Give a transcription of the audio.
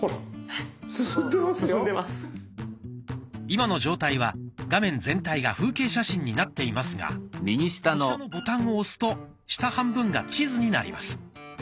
今の状態は画面全体が風景写真になっていますがこちらのボタンを押すと下半分が地図になります。